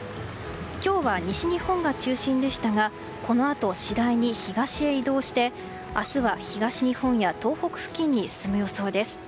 今日は西日本が中心でしたがこのあと、次第に東へ移動して明日は東日本や東北付近に進む予想です。